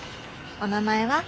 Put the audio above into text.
お名前は？